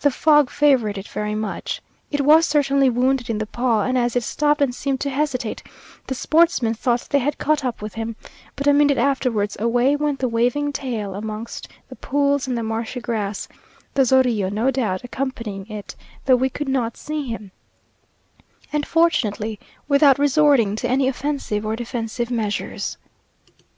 The fog favoured it very much. It was certainly wounded in the paw, and as it stopped and seemed to hesitate, the sportsmen thought they had caught him; but a minute afterwards away went the waving tail amongst the pools and the marshy grass, the zorillo, no doubt, accompanying it, though we could not see him, and fortunately without resorting to any offensive or defensive measures.